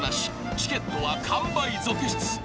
チケットは完売続出］